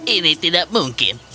ini tidak mungkin